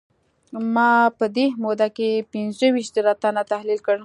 ما په دې موده کې پينځه ويشت زره تنه تحليل کړل.